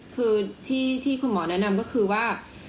คือที่คุณหมอแนะนำก็คือว่า